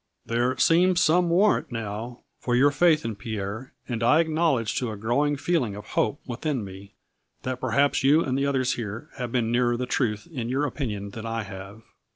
There seems some war rant now for your faith in Pierre, and I ac knowledge to a growing feeling of hope within me that perhaps you and the others here have been nearer the truth in your opinion than I have.